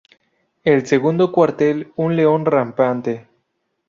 El segundo cuartel, un león rampante.